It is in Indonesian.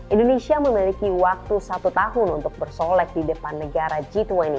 indonesia memiliki waktu satu tahun untuk bersolek di depan negara g dua puluh